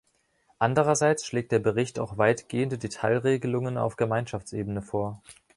Andererseits schlägt der Bericht auch weitgehende Detailregelungen auf Gemeinschaftsebene vor.